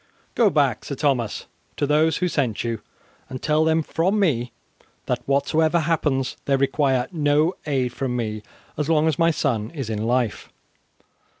"Go back, Sir Thomas, to those who sent you and tell them from me that whatsoever happens they require no aid from me so long as my son is in life.